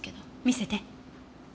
見せて。